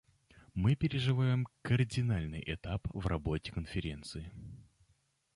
Мы переживаем кардинальный этап в работе Конференции.